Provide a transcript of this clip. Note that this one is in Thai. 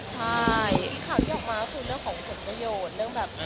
มีข่าวที่ออกมาคือเรื่องของผลประโยชน์